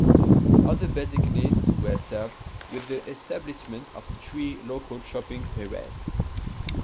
Other basic needs were served with the establishment of three local shopping parades.